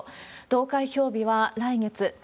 投開票日は来月１０日。